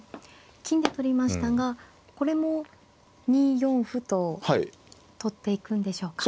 金で取りましたがこれも２四歩と取っていくんでしょうか。